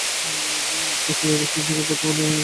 সরকার ও জাতীয় সংসদ উভয়ের হাতে আইন প্রণয়নের ক্ষমতা ন্যস্ত।